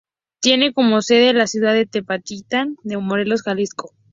Tiene como sede la ciudad de Tepatitlán de Morelos, Jalisco.